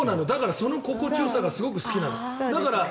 その心地よさがすごく好きなの。